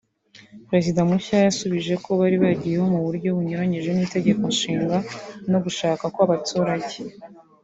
Perezida mushya yasubije ko bari bagiyeho mu buryo bunyuranyije n’itegekonshinga no gushaka kw’abaturage